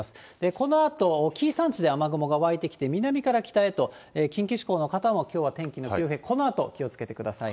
このあと紀伊山地で雨雲が湧いてきて、南から北へと、近畿地方の方もきょうは天気の急変、このあと気をつけてください。